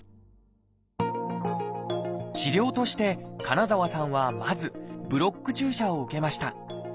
治療として金澤さんはまず「ブロック注射」を受けました。